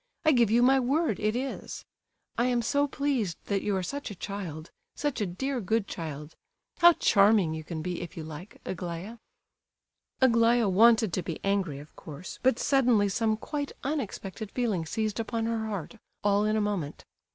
I give you my word it is; I am so pleased that you are such a child, such a dear good child. How charming you can be if you like, Aglaya." Aglaya wanted to be angry, of course, but suddenly some quite unexpected feeling seized upon her heart, all in a moment.